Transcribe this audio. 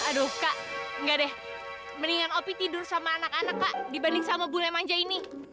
aduh kak enggak deh mendingan opi tidur sama anak anak kak dibanding sama bule manja ini